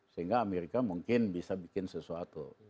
sehingga amerika mungkin bisa bikin sesuatu